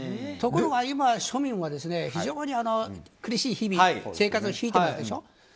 ところが今、庶民は非常に苦しい日々生活をしてますでしょ。